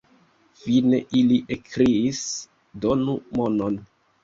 Fine ili ekkriis: donu monon!